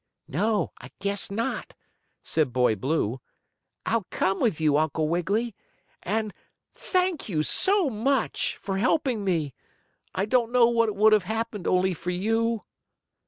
"No, I guess not," said Boy Blue. "I'll come with you, Uncle Wiggily. And thank you, so much, for helping me. I don't know what would have happened only for you."